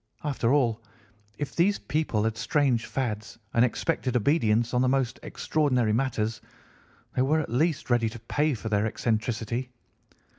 After all, if these people had strange fads and expected obedience on the most extraordinary matters, they were at least ready to pay for their eccentricity.